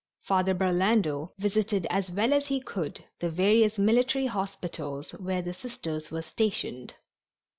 Father Burlando visited as well as he could the various military hospitals where the Sisters were stationed.